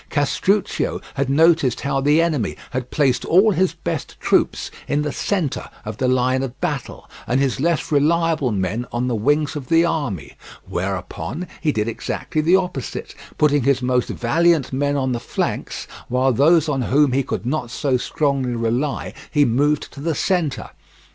Castruccio had noticed how the enemy had placed all his best troops in the centre of the line of battle, and his less reliable men on the wings of the army; whereupon he did exactly the opposite, putting his most valiant men on the flanks, while those on whom he could not so strongly rely he moved to the centre.